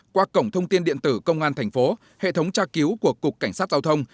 qua cổng thông tin điện tử công an thành phố hệ thống tra cứu của cục cảnh sát giao thông